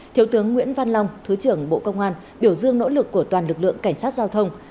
thiếu tướng nguyễn văn long thứ trưởng bộ công an biểu dương nỗ lực của toàn lực lượng cảnh sát giao thông